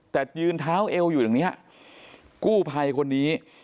แต่ยืนเท้าเอวอยู่ตรงเนี้ยกู้ภัยคนนี้